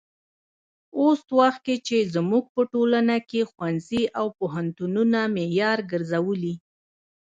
اوس وخت کې چې زموږ په ټولنه کې ښوونځي او پوهنتونونه معیار ګرځولي.